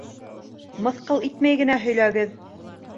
— Мыҫҡыл итмәй генә һөйләгеҙ.